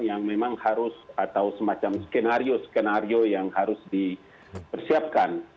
yang memang harus atau semacam skenario skenario yang harus dipersiapkan